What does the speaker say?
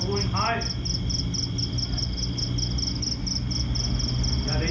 พอไปดีเราเรียนคุยกับตกนึงเนี่ย